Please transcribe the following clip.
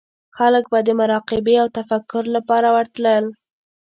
خلک به د مراقبې او تفکر لپاره ورتلل.